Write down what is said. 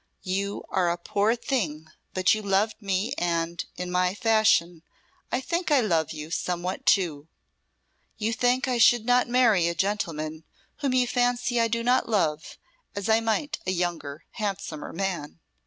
You are a poor thing, but you love me and in my fashion I think I love you somewhat too. You think I should not marry a gentleman whom you fancy I do not love as I might a younger, handsomer man.